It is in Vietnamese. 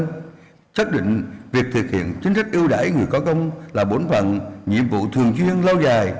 chúng ta xác định việc thực hiện chính sách yêu đãi người có công là bốn phần nhiệm vụ thường chuyên lâu dài